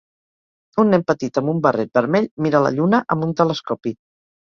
Un nen petit amb un barret vermell mira la lluna amb un telescopi.